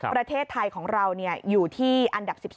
ประเทศไทยของเราอยู่ที่อันดับ๑๒